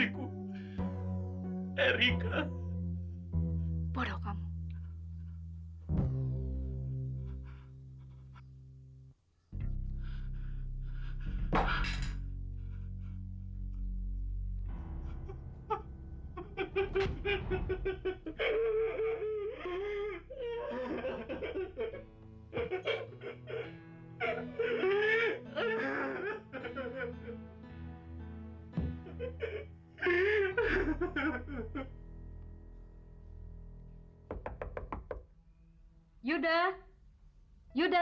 buka pintu yuda